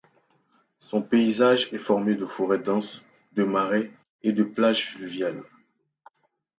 Son paysage est formé de forêts denses, de marais et de plages fluviales.